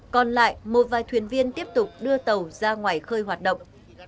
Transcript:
còn lại một vài thuyền viên tiếp tục đưa tàu ra ngoài khơi hoạt động